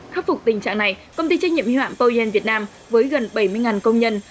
khắc phục tình trạng này công ty trách nhiệm hyom poyen việt nam với gần bảy mươi công nhân